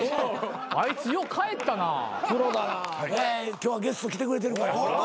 今日はゲスト来てくれてるから。